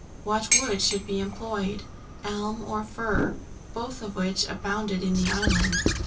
What wood should be employed? Elm or fir, both of which abounded in the island?